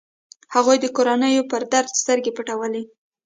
هغوی د کورنيو پر درد سترګې پټولې.